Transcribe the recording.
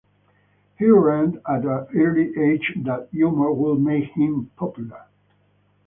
He learned at an early age that humor would make him popular.